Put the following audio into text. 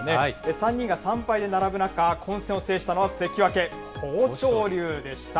３人が３敗で並ぶ中、混戦を制したのは関脇・豊昇龍でした。